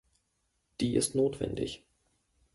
Die ist notwendig.